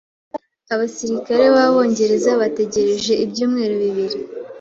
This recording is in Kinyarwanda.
Abasirikare b'Abongereza bategereje ibyumweru bibiri.